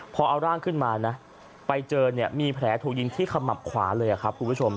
พอเอาร่างขึ้นมานะไปเจอเนี่ยมีแผลถูกยิงที่ขมับขวาเลยครับคุณผู้ชม